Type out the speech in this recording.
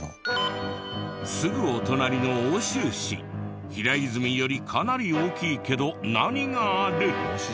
すぐお隣の奥州市平泉よりかなり大きいけど何がある？